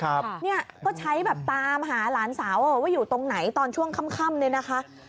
เนี่ยก็ใช้แบบตามหาหลานสาวว่าอยู่ตรงไหนตอนช่วงค่ำค่ำเนี่ยนะคะ